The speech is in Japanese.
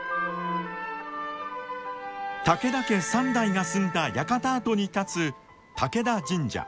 武田家三代が住んだ館跡に建つ武田神社。